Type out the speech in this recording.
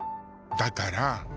だから。